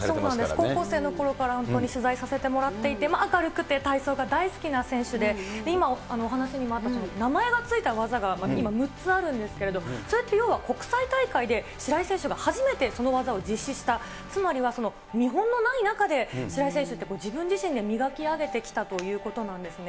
高校生のころから本当に取材させてもらっていて、明るくて体操が大好きな選手で今、お話にもなったとおり、名前が付いた技が今、６つあるんですけど、それって要は、国際大会で白井選手が初めてその技を実施した、つまりは見本のない中で、白井選手って、自分自身で磨き上げてきたということなんですね。